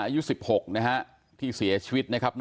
อายุ๑๖นะฮะที่เสียชีวิตนะครับ